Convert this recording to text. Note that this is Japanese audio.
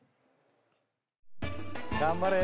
頑張れ。